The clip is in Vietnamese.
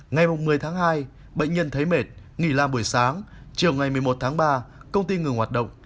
ngày một mươi tháng hai bệnh nhân thấy mệt nghỉ làm buổi sáng chiều ngày một mươi một tháng ba công ty ngừng hoạt động